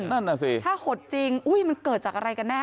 นั่นน่ะสิถ้าหดจริงอุ้ยมันเกิดจากอะไรกันแน่